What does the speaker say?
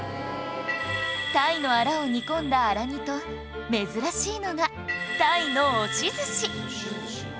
鯛のあらを煮込んだあら煮と珍しいのが鯛の押し寿司